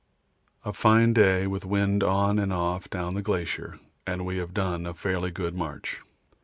A fine day with wind on and off down the glacier, and we have done a fairly good march.